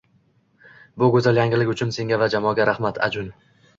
Bu go‘zal yangilik uchun senga va jamoaga rahmat Ajun.